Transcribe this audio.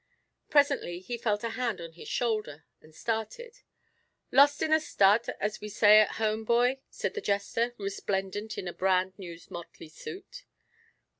Presently he felt a hand on his shoulder, and started, "Lost in a stud, as we say at home, boy," said the jester, resplendent in a bran new motley suit.